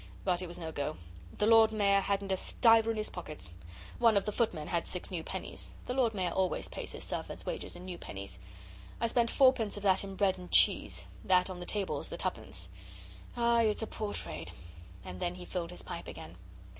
But it was no go. The Lord Mayor hadn't a stiver in his pockets. One of the footmen had six new pennies: the Lord Mayor always pays his servants' wages in new pennies. I spent fourpence of that in bread and cheese, that on the table's the tuppence. Ah, it's a poor trade!' And then he filled his pipe again.